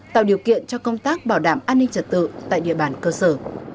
tạo điều kiện cho công tác bảo đảm an ninh chất tựa tại địa bàn cơ sở